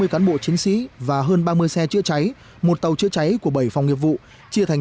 một trăm tám mươi cán bộ chiến sĩ và hơn ba mươi xe chứa cháy một tàu chứa cháy của bảy phòng nghiệp vụ chia thành